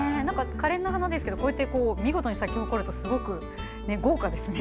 かれんな花ですけど見事に咲き誇るとすごく豪華ですね。